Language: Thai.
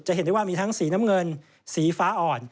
เห็นได้ว่ามีทั้งสีน้ำเงินสีฟ้าอ่อน